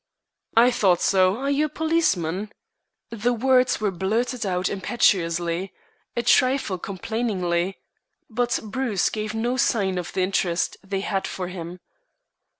"I thought so. Are you a policeman?" The words were blurted out impetuously, a trifle complainingly, but Bruce gave no sign of the interest they had for him.